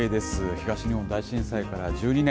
東日本大震災から１２年。